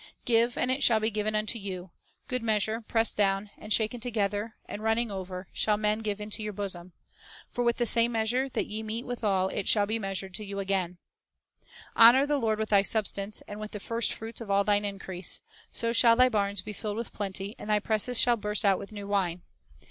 2 "Give, and it shall be given unto you; good meas ure, pressed down, and shaken together, and running over, shall men give into your bosom. For with the same measure that ye meet withal it shall be measured to you again." 3 The Beat Paying Investment "Honor the Lord with thy substance, and with the first fruits of all thine increase; so shall thy barns be filled with plenty, and thy presses shall burst out with new wine."